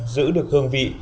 giữ được hương vị